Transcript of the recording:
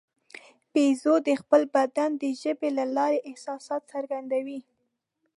بیزو د خپل بدن د ژبې له لارې احساسات څرګندوي.